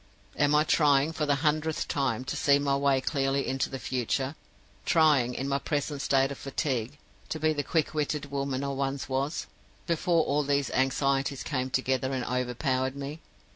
Am I trying, for the hundredth time, to see my way clearly into the future trying, in my present state of fatigue, to be the quick witted woman I once was, before all these anxieties came together and overpowered me?